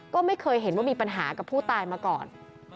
ก็ไม่เคยเห็นว่ามีปัญหากับผู้ตายมาก่อน